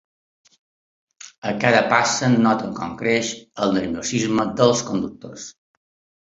A cada passa noten com creix el nerviosisme dels conductors.